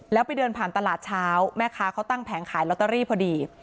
แล้วไปเดินผ่านตลาดเช้าแม่ค้าเขาตั้งแผงขายลอตเตอรี่พอดี